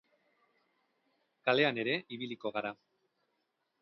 Kalean ere ibiliko gara.